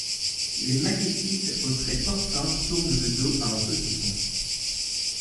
Les maquettistes aux traits porcins tournent le dos à un saucisson.